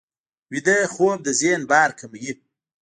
ویده خوب د ذهن بار کموي